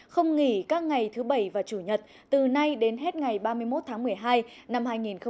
không nghỉ các ngày thứ bảy và chủ nhật từ nay đến hết ngày ba mươi một tháng một mươi hai năm hai nghìn hai mươi